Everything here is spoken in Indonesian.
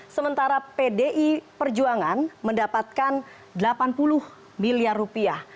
sementara pdi perjuangan mendapatkan delapan puluh miliar rupiah